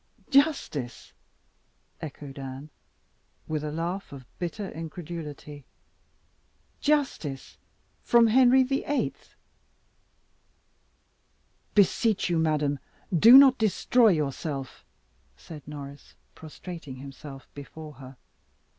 "Justice!" echoed Anne, with a laugh of bitter incredulity. "Justice from Henry the Eighth?" "Beseech you, madam, do not destroy yourself," said Norris, prostrating himself before her.